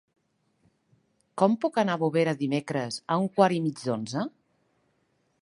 Com puc anar a Bovera dimecres a un quart i mig d'onze?